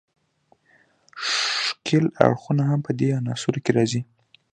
ښکیل اړخونه هم په دې عناصرو کې راځي.